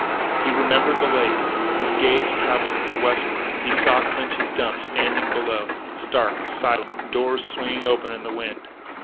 He remembered the lake. His gaze travelled to the westward; and he saw Clinch's Dump standing below, stark, silent, the doors swinging open in the wind.